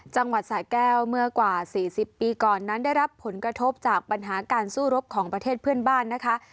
จังหวัดสะแก้วเมื่อกว่า๔๐ปีก่อนนั้นได้รับผลกระทบจากปัญหาการสู้รบของประเทศเพื่อนบ้านนะคะ